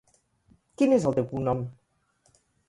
Quin és el teu cognom?